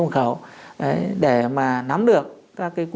như vậy là bước vào